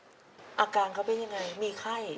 เจ้าอาการเขาเป็นอย่างไรมีไคต์